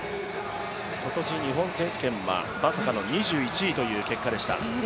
今年、日本選手権はまさかの２１位という結果でした。